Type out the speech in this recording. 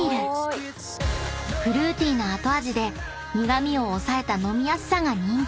［フルーティーな後味で苦味を抑えた飲みやすさが人気］